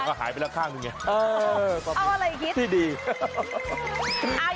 ก็หายไปแล้วข้ามึงเนี้ยเออเออเอาอะไรคิดที่ดีอ้าว